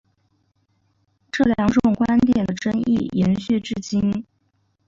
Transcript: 这两种观点的争议延续至今。